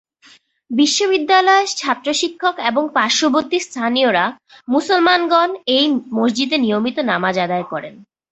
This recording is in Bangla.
বিশ্ববিদ্যালয়ের ছাত্র শিক্ষক এবং পার্শ্ববর্তী স্থানীয়রা মুসলমানগণ এই মসজিদে নিয়মিত নামাজ আদায় করেন।